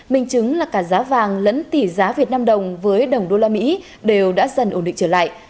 mình chứng là cả giá vàng lẫn tỷ giá việt nam đồng với đồng đô la mỹ đều đã dần ổn định trở lại